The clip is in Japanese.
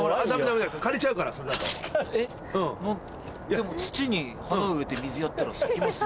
でも土に花植えて水やったら咲きますよね？